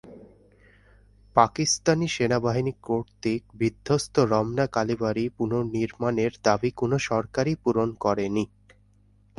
পাকিস্তানি সেনাবাহিনী কর্তৃক বিধ্বস্ত রমনা কালীবাড়ি পুনর্নির্মাণের দাবি কোনো সরকারই পূরণ করেনি।